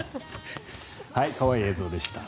可愛い映像でした。